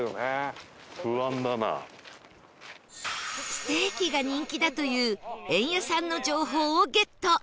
ステーキが人気だというエンヤさんの情報をゲット